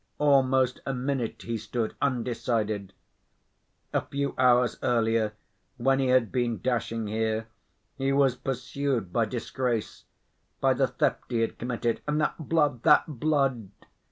Almost a minute he stood, undecided. A few hours earlier, when he had been dashing here, he was pursued by disgrace, by the theft he had committed, and that blood, that blood!...